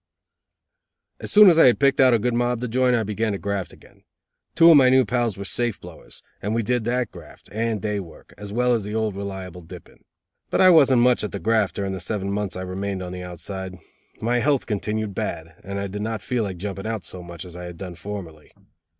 As soon as I had picked out a good mob to join I began to graft again. Two of my new pals were safe blowers, and we did that graft, and day work, as well as the old reliable dipping. But I wasn't much at the graft during the seven months I remained on the outside. My health continued bad, and I did not feel like "jumping out" so much as I had done formerly.